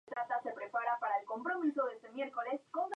Hubo arrestos de decenas de estudiantes y cinco habrían muerto.